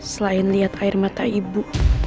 selain lihat air mata ibu